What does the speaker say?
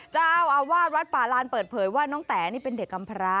เจ้าอาวาสวัดป่าลานเปิดเผยว่าน้องแต๋นี่เป็นเด็กกำพระ